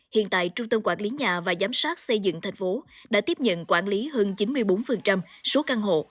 hiện tại trung tâm quản lý nhà và giám sát xây dựng tp hcm đã tiếp nhận quản lý hơn chín mươi bốn số căn hộ